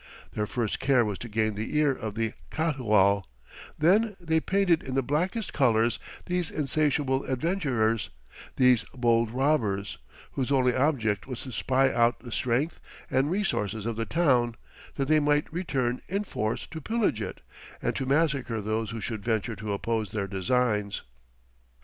Their first care was to gain the ear of the Catoual; then they painted in the blackest colours these insatiable adventurers, these bold robbers, whose only object was to spy out the strength and resources of the town, that they might return in force to pillage it, and to massacre those who should venture to oppose their designs.